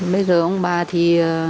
bây giờ ông bà thì